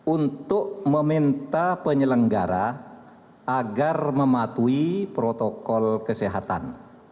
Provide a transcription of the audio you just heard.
untuk meminta penyelenggara agar mematuhi protokol kesehatan